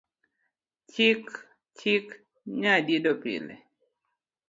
Chik chik nya diendo pile